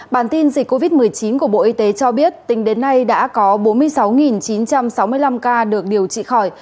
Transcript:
bản tin dịch covid một mươi chín của bộ y tế cho biết tính đến nay đã có bốn mươi sáu chín trăm sáu mươi năm ca được điều trị khỏi